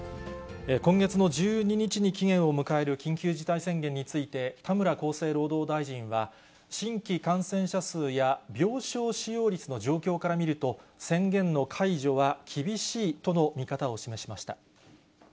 今月の１２日に期限を迎える緊急事態宣言について、田村厚生労働大臣は、新規感染者数や病床使用率の状況から見ると、宣言の解除は厳しいとの見方を示しました。